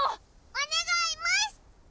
おねがいます！